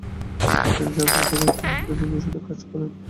তিনি জার্মান পক্ষে একটি কুটনৈতিক মিশনে কাজ করেন।